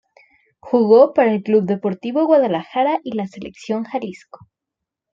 Jugó para el Club Deportivo Guadalajara y la Selección Jalisco.